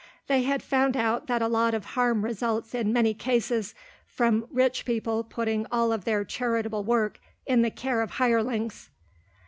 They had found out that a lot of harm results in many cases, from rich people putting all of their charitable work in the care of hirelings.